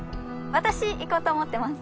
私行こうと思ってます。